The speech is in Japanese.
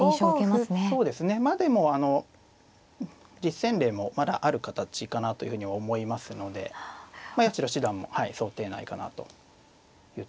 まあでもあの実戦例もまだある形かなというふうに思いますので八代七段も想定内かなというところですね。